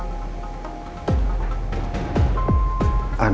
andin dan aldebaran